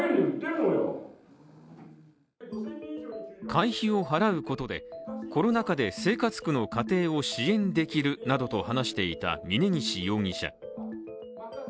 会費を払うことでコロナ禍で生活苦の家庭を支援できるなどと話していた峯岸容疑者。